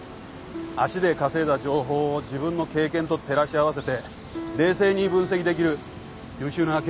足で稼いだ情報を自分の経験と照らし合わせて冷静に分析できる優秀な刑事です。